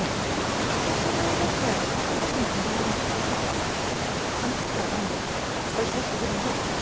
お久しぶりね。